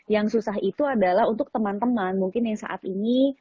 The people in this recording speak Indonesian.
yang susah itu adalah untuk teman teman mungkin yang saat ini